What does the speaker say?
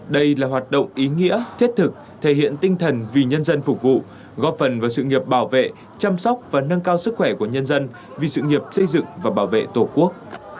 đây là hoạt động ý nghĩa thiết thực thể hiện tinh thần vì nhân dân phục vụ góp phần vào sự nghiệp bảo vệ chăm sóc và nâng cao sức khỏe của nhân dân vì sự nghiệp xây dựng và bảo vệ tổ quốc